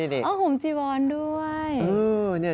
อ๋อห่มจีวรด้วย